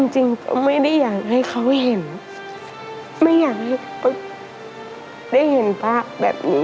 จริงไม่ได้อยากให้เขาเห็นไม่อยากให้ได้เห็นภาพแบบนี้